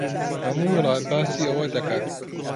ھەموو وڵات باسی ئەوە دەکات.